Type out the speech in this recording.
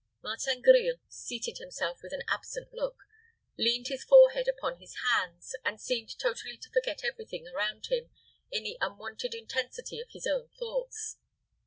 Martin Grille seated himself with an absent look, leaned his forehead upon his hands, and seemed totally to forget every thing around him in the unwonted intensity of his own thoughts.